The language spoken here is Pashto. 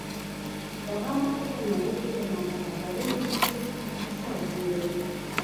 دغه ماته په نړۍ کې د نابرابرۍ د نظریې اساس جوړوي.